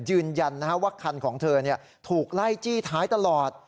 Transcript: ยืนยันนะฮะว่าคันของเธอเนี่ยถูกไล่จี้ท้ายตลอด